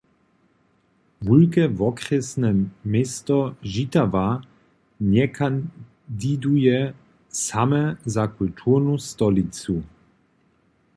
Wulke wokrjesne město Žitawa njekandiduje same za kulturnu stolicu.